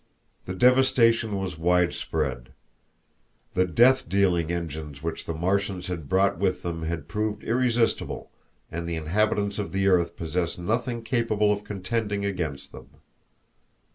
The devastation was widespread. The death dealing engines which the Martians had brought with them had proved irresistible and the inhabitants of the earth possessed nothing capable of contending against them.